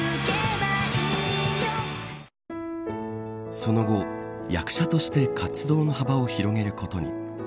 その後、役者として活動の幅を広げることに。